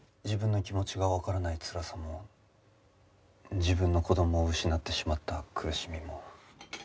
自分の気持ちがわからないつらさも自分の子供を失ってしまった苦しみも。